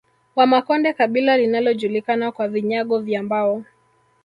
Wamakonde kabila linalojulikana kwa vinyago vya mbao